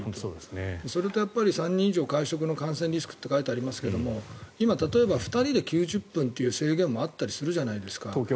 それとやっぱり、３人以上会食の感染リスクとありますが今、２人で９０分という制限もあったりするじゃないですか。